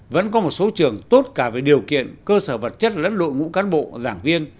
vẫn có một số trường tốt cả về điều kiện cơ sở vật chất lẫn đội ngũ cán bộ giảng viên